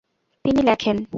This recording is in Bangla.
তিনি লেখেন।